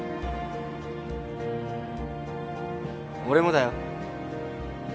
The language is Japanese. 俺もだよ。